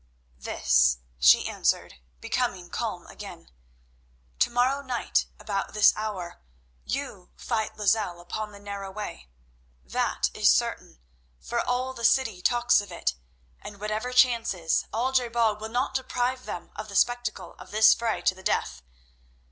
"This," she answered, becoming calm again. "Tomorrow night about this hour you fight Lozelle upon the narrow way. That is certain, for all the city talks of it, and, whatever chances, Al je bal will not deprive them of the spectacle of this fray to the death.